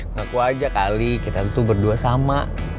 ngaku aja kali kita tuh berdua sama